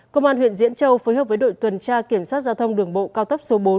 công an huyện diễn châu phối hợp với đội tuần tra kiểm soát giao thông đường bộ cao tốc số bốn